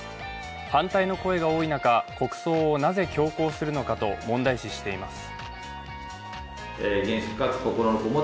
反対の声が多い中、国葬をなぜ強行するのかと問題視しています。